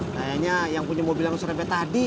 kayaknya yang punya mobil langsung sampai tadi